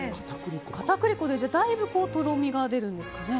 片栗粉でだいぶとろみが出るんですかね。